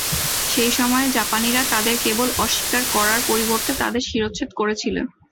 সেই সময়ে, জাপানীরা তাদের কেবল অস্বীকার করার পরিবর্তে তাদের শিরশ্ছেদ করেছিল।